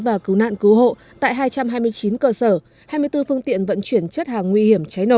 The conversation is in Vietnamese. và cứu nạn cứu hộ tại hai trăm hai mươi chín cơ sở hai mươi bốn phương tiện vận chuyển chất hàng nguy hiểm cháy nổ